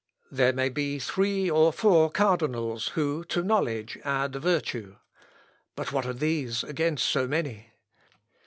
There may be three or four cardinals who to knowledge add virtue. But what are these against so many?